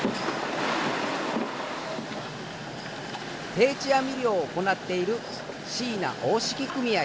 定置網漁を行っている椎名大敷組合。